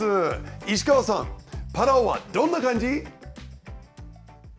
石川さん、パラオはどんな感じ？